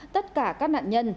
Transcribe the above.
tất cả các nạn nhân